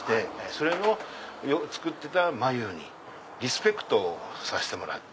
それを作ってた繭にリスペクトさせてもらって。